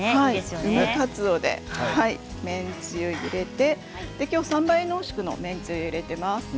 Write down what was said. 梅かつおで麺つゆを入れて今日は３倍濃縮の麺つゆを入れています。